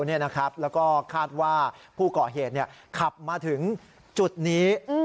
แล้วก็คาดว่าผู้ก่อเหตุขับมาถึงจุดนี้